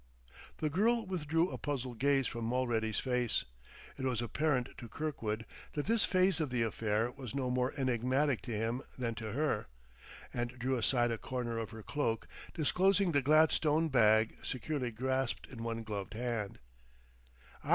The girl withdrew a puzzled gaze from Mulready's face, (it was apparent to Kirkwood that this phase of the affair was no more enigmatic to him than to her), and drew aside a corner of her cloak, disclosing the gladstone bag, securely grasped in one gloved hand.